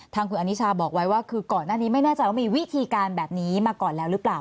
ทางคุณอนิชาบอกไว้ว่าคือก่อนหน้านี้ไม่แน่ใจว่ามีวิธีการแบบนี้มาก่อนแล้วหรือเปล่า